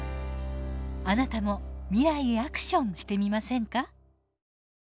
あなたも未来へアクションしてみませんか？